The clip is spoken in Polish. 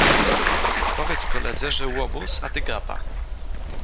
Powiedz koledze, że łobuz, a ty gapa.